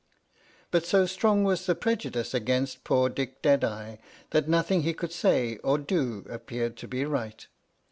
But so strong was the prejudice against poor Dick Deadeye, that nothing he could say or do appeared to be right.